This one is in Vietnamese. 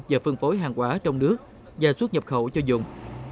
và phân phối hàng quá trong nước và xuất nhập khẩu cho dùng